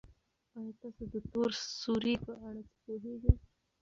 ایا تاسي د تور سوري په اړه څه پوهېږئ؟